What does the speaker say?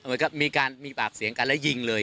เหมือนกับมีการมีปากเสียงกันแล้วยิงเลย